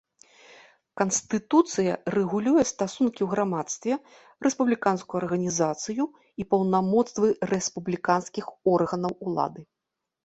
Канстытуцыя рэгулюе стасункі ў грамадстве, рэспубліканскую арганізацыю і паўнамоцтвы рэспубліканскіх органаў улады.